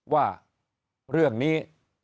ว่าเรื่องนี้